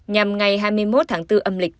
nhằm ngày hai mươi một tháng bốn âm lịch